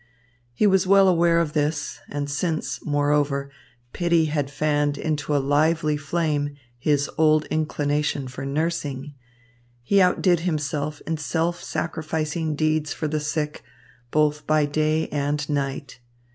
He was well aware of this, and since, moreover, pity had fanned into a lively flame his old inclination for nursing, he outdid himself in self sacrificing deeds for the sick, both by day and night.